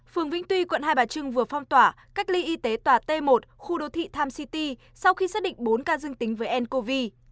phường vĩnh tuy quận hai bà trưng vừa phong tỏa cách ly y tế tòa t một khu đô thị times city sau khi xác định bốn ca dương tính với ncov